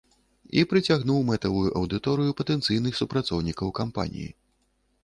І прыцягнуў мэтавую аўдыторыю патэнцыйных супрацоўнікаў кампаніі.